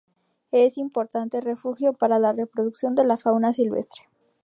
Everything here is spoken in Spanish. Es importante refugio para la reproducción de la fauna silvestre.